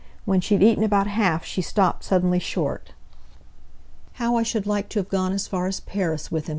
When she had eaten about half she stopped suddenly short. "How I should like to have gone as far as Paris with him!"